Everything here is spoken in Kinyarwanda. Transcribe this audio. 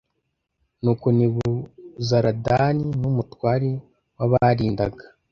Nuko Nebuzaradani n umutware w abarindaga